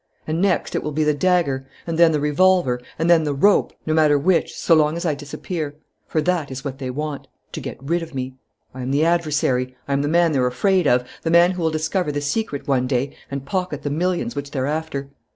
And next it will be the dagger and then the revolver and then the rope, no matter which, so long as I disappear; for that is what they want: to get rid of me. "I am the adversary, I am the man they're afraid of, the man who will discover the secret one day and pocket the millions which they're after.